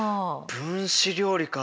分子料理か。